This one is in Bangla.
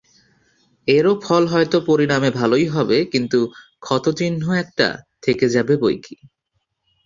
এরও ফল হয়তো পরিণামে ভালই হবে, কিন্তু ক্ষতচিহ্ন একটা থেকে যাবে বৈকি।